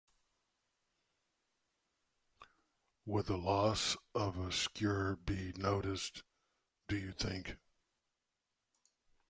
Would the loss of a skewer be noticed, do you think?